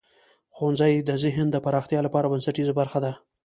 ښوونځی د ذهن د پراختیا لپاره بنسټیزه برخه ده.